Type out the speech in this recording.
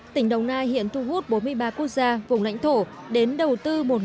tỉnh đồng nai hiện thu hút bốn mươi ba quốc gia vùng lãnh thổ đến đầu tư một bốn trăm hai mươi dự án